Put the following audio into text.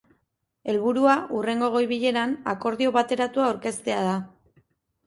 Helburua hurrengo goi-bileran akordio bateratua aurkeztea da.